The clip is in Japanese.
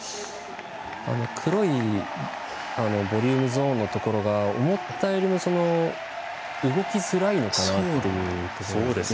黒いボリュームゾーンのところが思ったよりも動きづらいのかなっていうところですね。